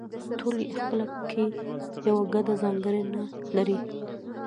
ټول یې خپله کې یوه ګډه ځانګړنه لري